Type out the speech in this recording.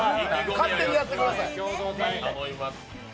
勝手にやってください。